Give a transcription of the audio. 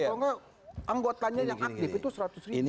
kalau enggak anggotanya yang aktif itu seratus ribu